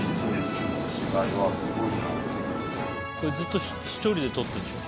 これずっと１人で撮ってるんでしょ？